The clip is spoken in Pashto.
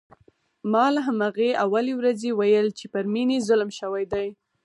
ما له همهغې اولې ورځې ویل چې پر مينې ظلم شوی دی